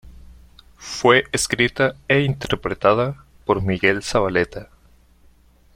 Fue escrita e interpretada por Miguel Zavaleta.